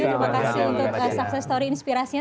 terima kasih untuk sukses story inspirasinya